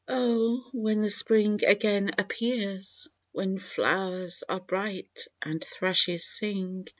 Oh ! when the Spring again appears. When flow'rs are bright and thrushes sing.